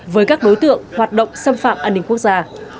với các đối tượng hoạt động xâm phạm an ninh quốc gia